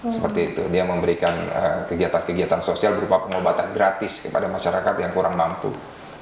seperti itu dia memberikan kegiatan kegiatan sosial berupa pengobatan gratis kepada masyarakat yang kurang mampu